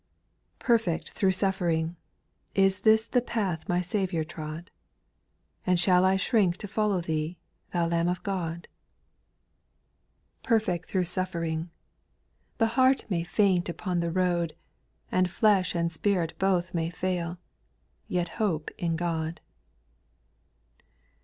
PERFECT through suffering I Is this the X path My Saviour trod ? And shall I shrink to follow Thee, Thou Lamb of God ?/ 2*i Perfect through suffering! The heart may faint Upon the road. 400 SPIRITUAL SONGS. And flesh and spirit both may fail ;— Yet hope in God.